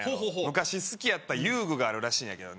昔好きやった遊具があるらしいんやけどね